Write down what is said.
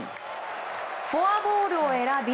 フォアボールを選び